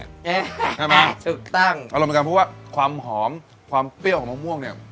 ใช่ไหมถูกตั้งเอาลงไปกันเพราะว่าความหอมความเปรี้ยวของมะม่วงเนี้ย